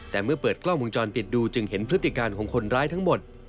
แต่เมื่อเปิดกล้องวงจรปิดดูจึงเห็นพฤติการของคนร้ายทั้งหมด